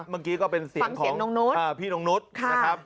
เมื่อกี้ก็เป็นเสียงของพี่นงนุษย์นะครับ